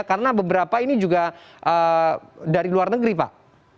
karena beberapa ini juga dari luar negeri pak